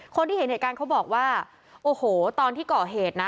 คนที่เห็นเหตุการณ์เขาบอกว่าโอ้โหตอนที่ก่อเหตุนะ